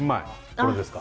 これですか？